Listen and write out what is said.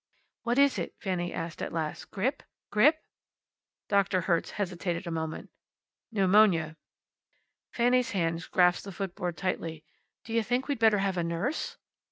"What is it?" said Fanny, at last. "Grip? grip?" Doctor Hertz hesitated a moment. "Pneumonia." Fanny's hands grasped the footboard tightly. "Do you think we'd better have a nurse?"